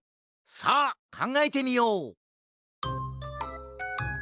さあかんがえてみよう！